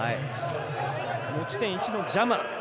持ち点１のジャマ。